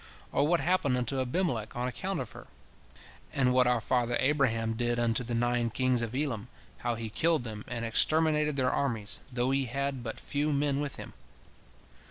Or what happened unto Abimelech on account of her? And what our father Abraham did unto the nine kings of Elam, how he killed them and exterminated their armies, though he had but few men with him?